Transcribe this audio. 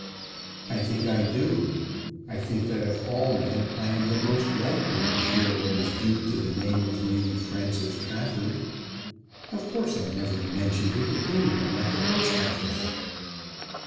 "I think I do. I think that of all men I am the most likely to feel what is due to the name of Lady Frances Trafford. Of course I never mentioned it to any one at the Post Office."